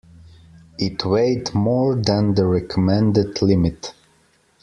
It weighed more than the recommended limit.